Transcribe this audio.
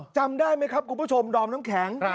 จำได้ไหมครับคุณผู้ชมดอมน้ำแข็ง